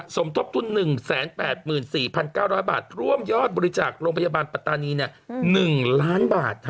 สมทบทุน๑๘๔๙๐๐บาทร่วมยอดบริจาคโรงพยาบาลปัตตานี๑ล้านบาท